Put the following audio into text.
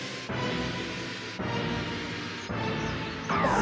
あ。